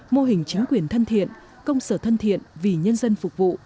mô hình chính quyền thân thiện công sở thân thiện vì nhân dân phục vụ